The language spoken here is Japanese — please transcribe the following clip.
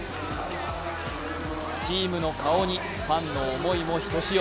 チームの顔にファンの思いもひとしお。